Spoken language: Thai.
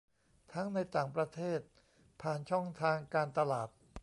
ทั้งในต่างประเทศผ่านช่องทางการตลาด